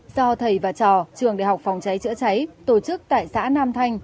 do thầy và trò trường đại học phòng trái trễ cháy tổ chức tại xã nam thanh